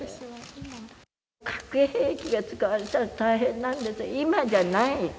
核兵器が使われたら大変なんです、今じゃない。